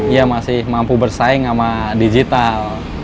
iya masih mampu bersaing sama digital